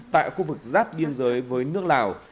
tại khu vực rát biên giới với nước lào